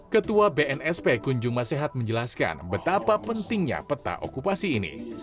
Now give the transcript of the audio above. ketua bnsp kunjung masehat menjelaskan betapa pentingnya peta okupasi ini